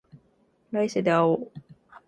来世で会おう